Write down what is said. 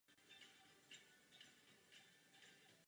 Výsledek druhého útoku byl téměř stejný jako prvního.